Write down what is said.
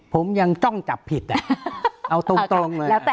ผมยังจ้องจับผิดเอาตรงเลย